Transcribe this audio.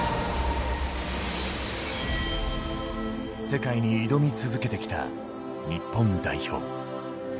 世界に挑み続けてきた日本代表。